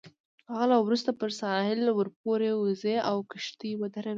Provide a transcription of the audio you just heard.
له هغه وروسته پر ساحل ورپورې وزئ او کښتۍ ودروئ.